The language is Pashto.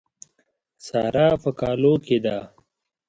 سارا په کالو کې ده.